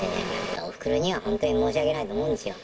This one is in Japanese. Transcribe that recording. おふくろには本当に申し訳ないと思うんですよ。